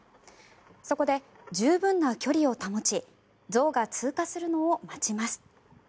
そこで十分な距離を保ち象が通過するのを待ちます。